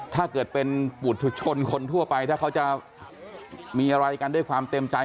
ถ้าเกิดเป็นบุธชนคนทั่วไปถ้าเขาจะมีอะไรกันด้วยความเต็มใจ